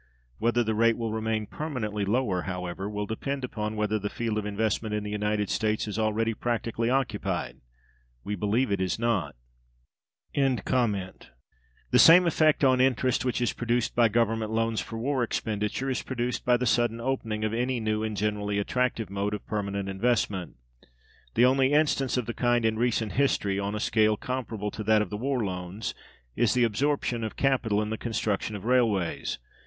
Whether the rate will remain "permanently lower," however, will depend upon whether the field of investment in the United States is already practically occupied. We believe it is not. The same effect on interest which is produced by government loans for war expenditure is produced by the sudden opening of any new and generally attractive mode of permanent investment. The only instance of the kind in recent history, on a scale comparable to that of the war loans, is the absorption of capital in the construction of railways.